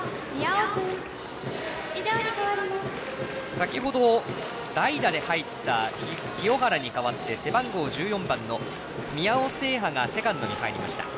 先ほど代打で入った清原に代わって背番号１４番の宮尾青波がセカンドに入りました。